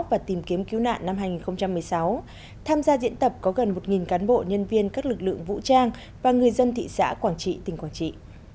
và tìm kiếm cứu nạn năm hai nghìn một mươi sáu tham gia diễn tập có gần một cán bộ nhân viên các lực lượng vũ trang và người dân thị xã quảng trị tỉnh quảng trị